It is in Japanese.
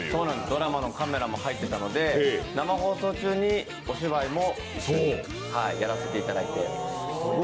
ドラマのカメラも入っていたので生放送中にお芝居もやらせていただいて。